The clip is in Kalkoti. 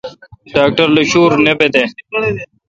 ڈاکٹر لو شور نہ بیدہ۔